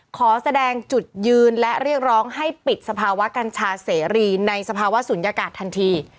ขอแสดงจุดยืนและเรียกร้องให้ปิดสภาวะกัญชาเสรีในสภาวะศูนยากาศทันที